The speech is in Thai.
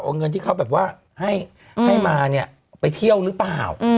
เอาเงินที่เขาแบบว่าให้มาเนี่ยไปเที่ยวหรือเปล่า